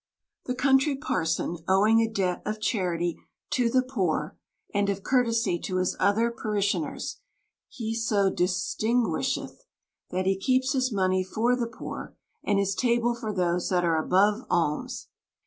The Country Parson owing a debt of charity to the poor, and of courtesy to his other parishioners, he so distinguisheth, that he keeps his money for the pow, and his table for those that are above alms.